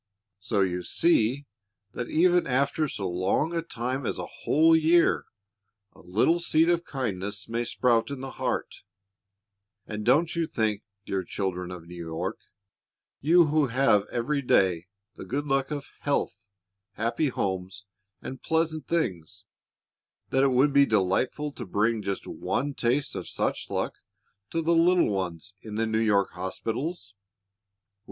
So you see that even after so long a time as a whole year, a little seed of kindness may sprout in the heart; and don't you think, dear children of New York, you who have every day the good luck of health, happy homes, and pleasant things, that it would be delightful to bring just one taste of such luck to the little ones in the New York hospitals?